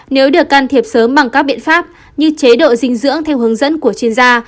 nếu được can thiệp sớm bằng các biện pháp như chế độ dinh dưỡng theo hướng dẫn của chuyên gia